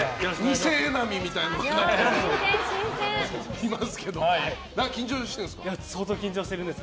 偽榎並みたいなのがいますけど緊張してるんですか。